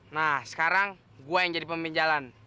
nah sekarang gue yang jadi pemimpin jalan